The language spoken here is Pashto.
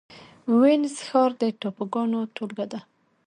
وینز ښار د ټاپوګانو ټولګه ده